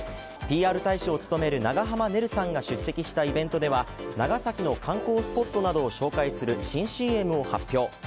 ＰＲ大使を務める長濱ねるさんが出席したイベントでは長崎の観光スポットなどを紹介する新ＣＭを発表。